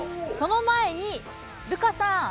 その前にルカさん